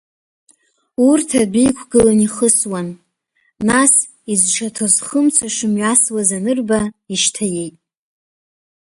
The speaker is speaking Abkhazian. Урҭ адәы иқәгылан ихысуан, нас, изшаҭоз хымца шымҩамсуаз анырба, ишьҭаиеит.